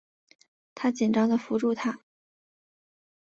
她紧张的扶住她